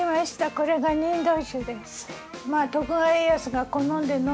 これが忍冬酒です。